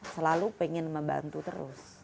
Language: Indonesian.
selalu pengen membantu terus